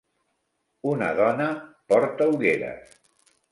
una dona porta ulleres.